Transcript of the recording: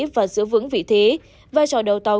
và giữ vững vị thế vai trò đầu tàu